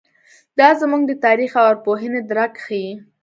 دا زموږ د تاریخ او ارواپوهنې درک ښيي.